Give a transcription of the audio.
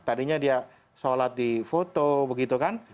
tadinya dia sholat di foto begitu kan